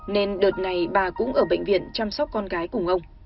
nên đợt này bà cũng ở bệnh viện chăm sóc con gái cùng ông